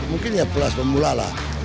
mungkin ya kelas pemula lah